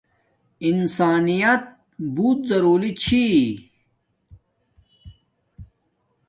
انسانیت بوت ضرولی چھی